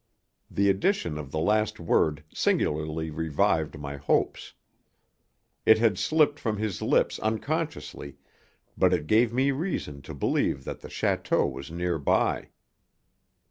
The addition of the last word singularly revived my hopes. It had slipped from his lips unconsciously, but it gave me reason to believe that the château was near by.